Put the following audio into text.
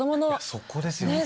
そこですよね。